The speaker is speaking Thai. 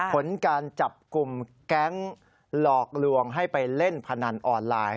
ผลการจับกลุ่มแก๊งหลอกลวงให้ไปเล่นพนันออนไลน์